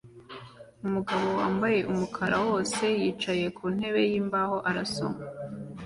Umugabo wambaye umukara wose yicaye ku ntebe yimbaho arasoma